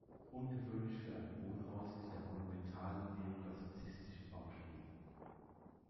Ungewöhnlich für ein Wohnhaus ist der monumental-neoklassizistische Baustil.